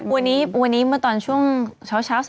พรฟีวันนี้เมื่อตอนช่วงช้าว